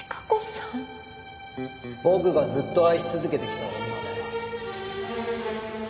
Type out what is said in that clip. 僕がずっと愛し続けてきた女だよ。